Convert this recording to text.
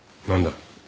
何だ。